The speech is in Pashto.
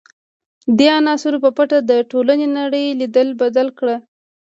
دې عناصرو په پټه د ټولنې نړۍ لید بدل کړ.